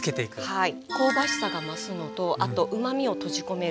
はい。